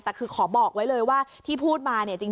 แต่คือขอบอกไว้เลยว่าที่พูดมาเนี่ย